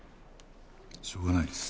しょうがないです。